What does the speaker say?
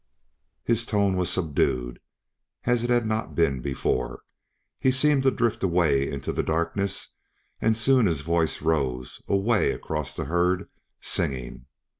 His tone was subdued, as it had not been before. He seemed to drift away into the darkness, and soon his voice rose, away across the herd, singing.